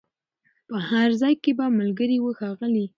پر هر ځای چي به ملګري وه ښاغلي